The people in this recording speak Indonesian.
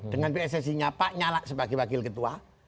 dengan pssi nya pak nyalak sebagai wakil ketua